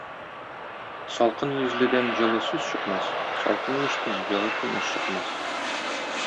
Салкын йөзледән җылы сүз чыкмас, салкын мичтән җылы күмәч чыкмас.